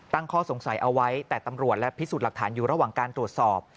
ข้อสงสัยเอาไว้แต่ตำรวจและพิสูจน์หลักฐานอยู่ระหว่างการตรวจสอบ